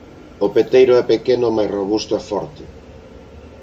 O peteiro é pequeno mais robusto e forte.